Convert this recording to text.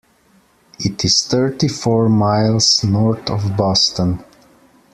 It is thirty-four miles north of Boston.